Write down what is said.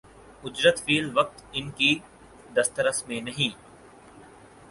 اجرت فی الوقت ان کی دسترس میں نہیں